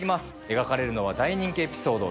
描かれるのは大人気エピソード